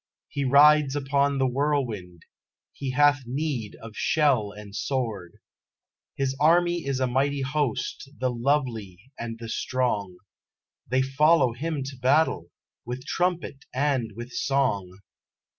"He rides upon the whirlwind! He hath need of shell and sword! His army is a mighty host the lovely and the strong, They follow Him to battle, with trumpet and with Song!"